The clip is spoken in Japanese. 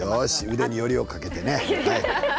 腕によりをかけてね。